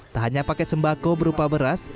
tak hanya paket sembako berupa beras